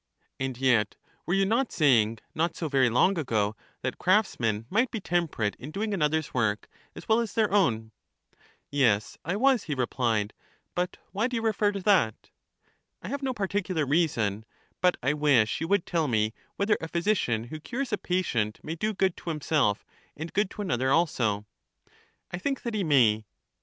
And yet were you not saying, not so very long ago, that craftsmen might be temperate in doing another's work, as well as their crwn? Yes, I was, lie replied; but why do you refer to that? I have no particular reason, but I wish you would tell me whether a physician who cures a patient may do good to himself and good to another also? I think that he may.